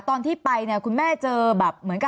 ตอนที่จะไปอยู่โรงเรียนนี้แปลว่าเรียนจบมไหนคะ